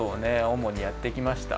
おもにやってきました。